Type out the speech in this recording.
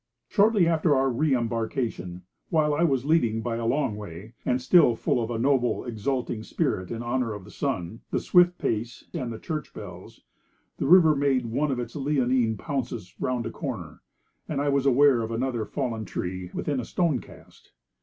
Shortly after our re embarkation, while I was leading by a long way, and still full of a noble, exulting spirit in honour of the sun, the swift pace, and the church bells, the river made one of its leonine pounces round a corner, and I was aware of another fallen tree within a stone cast.